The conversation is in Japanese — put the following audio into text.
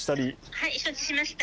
はい承知しました。